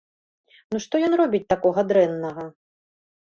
Ну, што ён робіць такога дрэннага?